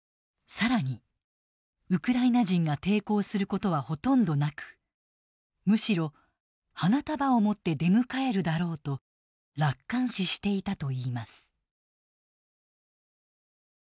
更にウクライナ人が抵抗することはほとんどなくむしろ「花束を持って出迎えるだろう」と楽観視していたといいます。